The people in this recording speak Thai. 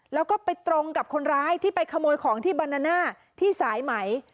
แล้วก็ไปตรงกับคนร้ายที่ไปขโมยของที่บานาน่าที่สายไหม